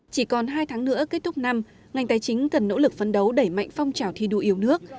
chỉ còn hai tháng nữa kết thúc năm ngành tài chính cần nỗ lực phấn đấu đẩy mạnh phong trào thi đua yêu nước